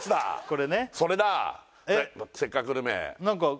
これねそれだ「せっかくグルメ！！」